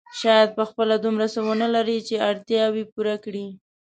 شاید په خپله دومره څه ونه لري چې اړتیاوې پوره کړي.